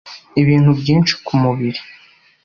ibintu byinshi ku mubiri.